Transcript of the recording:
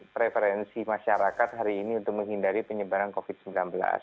preferensi masyarakat hari ini untuk menghindari penyebaran covid sembilan belas